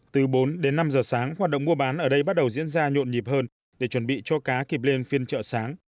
từ bốn đến năm giờ sáng hoạt động mua bán ở đây bắt đầu diễn ra nhộn nhịp hơn để chuẩn bị cho cá kịp lên phiên chợ sáng